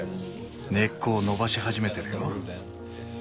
根っこを伸ばし始めてるよ。